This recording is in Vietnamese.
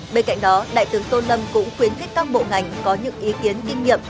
bên cạnh đó đại tướng tô lâm cũng khuyến khích các bộ ngành có những ý kiến kinh nghiệm